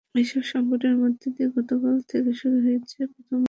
এসব সংকটের মধ্য দিয়ে গতকাল থেকে শুরু হয়েছে প্রথম বর্ষের পাঠদান।